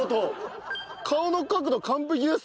顔の角度完璧です。